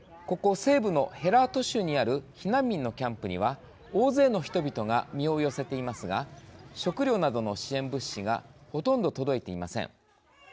ここ西部のヘラート州にある避難民のキャンプには大勢の人々が身を寄せていますが食糧などの支援物資がほとんど届いていません。